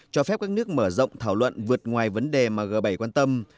cho phép các nước mở rộng thảo luận vượt ngoài vấn đề mà g bảy quan tâm